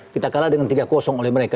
kita kalah dengan tiga oleh mereka